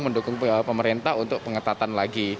mendukung pemerintah untuk pengetatan lagi